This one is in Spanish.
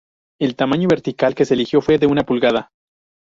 El tamaño vertical que se eligió fue de una pulgada.